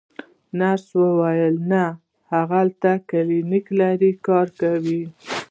نرسې وویل: نه، هغه هلته کلینیک لري، کار کوي.